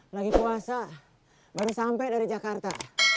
lagi puasa baru sampai dari jakarta